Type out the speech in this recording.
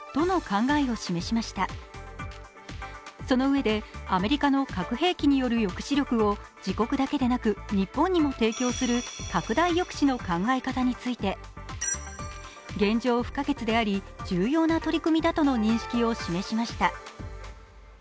そのうえでアメリカの核兵器による抑止力を自国だけでなく日本にも提供する拡大抑止の考え方について現状不可欠であり、重要な取り組みだとの認識を示しました。